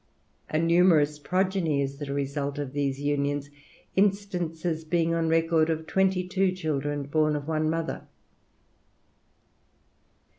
A numerous progeny is the result of these unions; instances being on record of twenty two children born of one mother.